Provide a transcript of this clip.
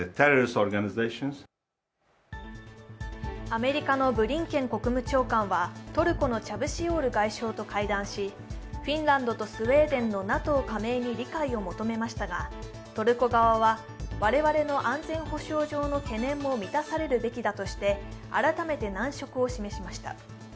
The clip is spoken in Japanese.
アメリカのブリンケン国務長官はトルコのチャブシオール外相と会談し、フィンランドとスウェーデンのＮＡＴＯ加盟に理解を示しましたがトルコ側は、我々の安全保障上の懸念も満たされるべきだとして改めて難色を示しました。